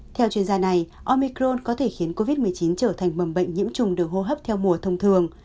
theo chuyên gia này omicron có thể khiến covid một mươi chín trở thành mầm bệnh nhiễm trùng đường hô hấp theo mùa thông thường